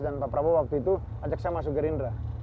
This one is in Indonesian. dan pak prabowo waktu itu ajak saya masuk gerindra